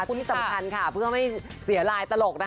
ที่สำคัญค่ะเพื่อไม่เสียลายตลกนะคะ